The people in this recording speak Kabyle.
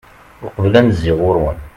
uqbel ad n-zziɣ ɣur-wen